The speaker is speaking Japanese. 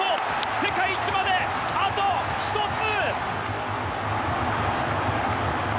世界一まであと１つ！